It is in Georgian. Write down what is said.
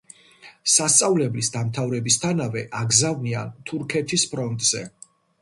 სასწავლებლის დამთავრებისთანავე აგზავნიან თურქეთის ფრონტზე.